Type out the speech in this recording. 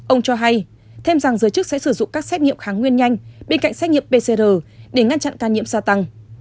ông cho hay thêm rằng giới chức sẽ sử dụng các xét nghiệm kháng nguyên nhanh bên cạnh xét nghiệm pcr để ngăn chặn ca nhiễm gia tăng